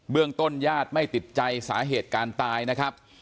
เรื่องต้นญาติไม่ติดใจสาเหตุการตายนะครับ